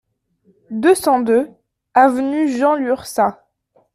deux cent deux avenue Jean Lurçat